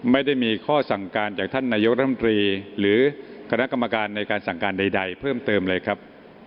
ไม่ได้มีข้อสั่งการจากท่านนายกรมตรีหรือคณะกรรมการในการสั่งการใดเพิ่มเติมเลยครับ